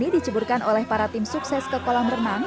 diceburkan ke kolam renang